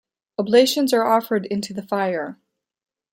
Oblations are offered into the fire.